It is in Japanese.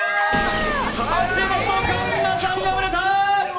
橋本環奈さん、敗れた！